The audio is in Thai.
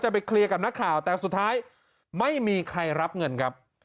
ไปเคลียร์กับนักข่าวแต่สุดท้ายไม่มีใครรับเงินครับ